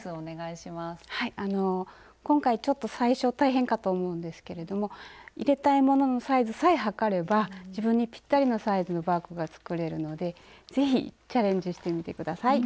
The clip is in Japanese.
今回ちょっと最初大変かと思うんですけれども入れたいもののサイズさえ測れば自分にぴったりのサイズのバッグが作れるので是非チャレンジしてみて下さい。